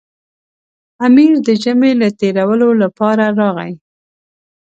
امیر د ژمي له تېرولو لپاره راغی.